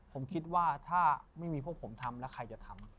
ผมคิดว่าถ้าไม่มีพวกผมทำแล้วใครจะทำ